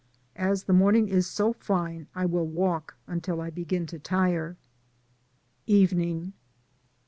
As the morning is so fine I will walk until I begin to tire. Evening.